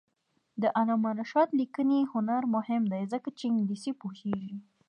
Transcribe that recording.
د علامه رشاد لیکنی هنر مهم دی ځکه چې انګلیسي پوهېږي.